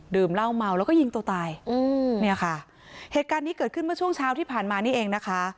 เหล้าเมาแล้วก็ยิงตัวตายอืมเนี่ยค่ะเหตุการณ์นี้เกิดขึ้นเมื่อช่วงเช้าที่ผ่านมานี่เองนะคะ